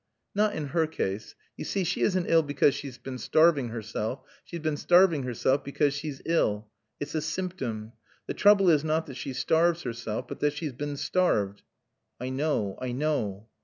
"Not in her case. You see, she isn't ill because she's been starving herself. She's been starving herself because she's ill. It's a symptom. The trouble is not that she starves herself but that she's been starved." "I know. I know."